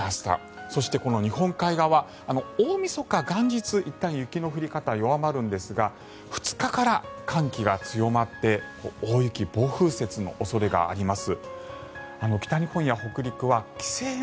そして日本海側大みそか、元日いったん雪の降り方弱まるんですが２日から寒気が強まって大雪、暴風雪の恐れがあります。